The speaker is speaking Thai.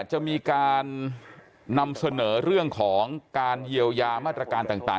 จะมีการนำเสนอเรื่องของการเยียวยามาตรการต่าง